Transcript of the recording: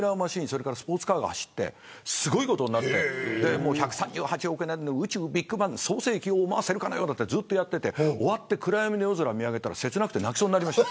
それからスポーツカーが走ってすごいことになって１３８億年の宇宙ビッグバン創成期を思わせるかのようなってずっとやってて終わって暗闇の夜空を見上げたら切なくて泣きそうになりました。